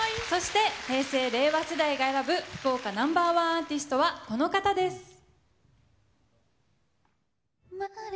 そして平成・令和世代が選ぶ福岡ナンバー１アーティストは、この方です。